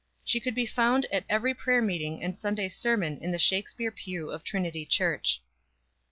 She could be found at every prayer meeting and Sunday sermon in the Shakspere pew of Trinity Church.